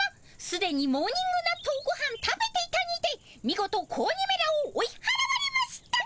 すでにモーニング納豆ごはん食べていたにてみごと子鬼めらをおいはらわれました。